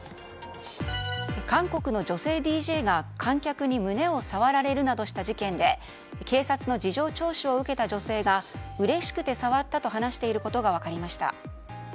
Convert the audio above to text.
韓国の女性ＤＪが観客に胸を触られるなどした事件で警察の事情聴取を受けた女性がうれしくて触ったと話していることが分かりました。